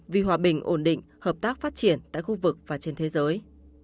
vì hòa bình ổn định hợp tác phát triển tại khu vực và trên thế giới